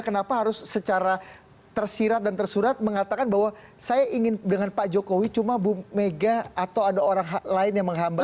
kenapa harus secara tersirat dan tersurat mengatakan bahwa saya ingin dengan pak jokowi cuma bu mega atau ada orang lain yang menghambat